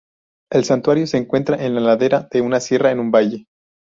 El Santuario se encuentra en la ladera de una sierra en un valle.